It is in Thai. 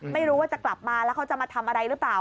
ไม่รู้ว่าจะกลับมาแล้วเขาจะมาทำอะไรหรือเปล่า